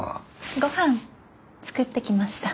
ごはん作ってきました。